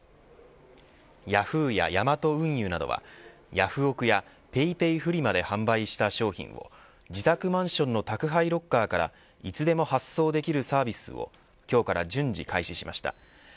ヤフーやヤマト運輸などはヤフオク！やＰａｙＰａｙフリマで販売した商品を自宅マンションの宅配ロッカーからいつでも発送できるサービスを今日から順次開始しました。